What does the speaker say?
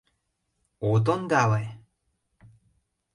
— От ондале?